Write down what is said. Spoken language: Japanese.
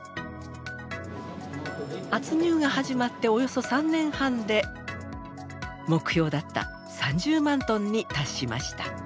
圧入が始まっておよそ３年半で目標だった３０万トンに達しました。